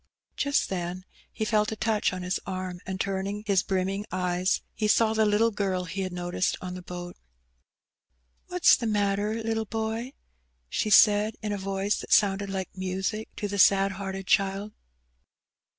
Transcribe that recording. Just then he felt a touch on his arm, and turning his brimming eyes, he saw the little girl he had noticed on the boat. " What's the matter, little boy ?" she said, in a voioe that sounded like music to the sad hearted child.